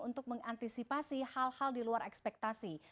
untuk mengantisipasi hal hal di luar ekspektasi